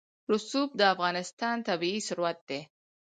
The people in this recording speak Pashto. رسوب د افغانستان طبعي ثروت دی.